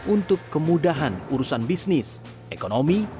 untuk kemudahan urusan bisnis ekonomi